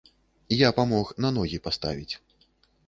Я памог на ногі паставіць.